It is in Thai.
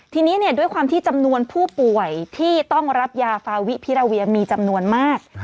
ทีนี้ด้วยความที่จำนวนผู้ป่วยที่ต้องรับยาฟาวิพิราเวียมีจำนวนมาก